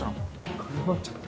絡まっちゃって。